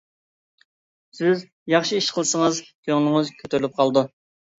سىز ياخشى ئىش قىلسىڭىز كۆڭلىڭىز كۆتۈرۈلۈپ قالىدۇ.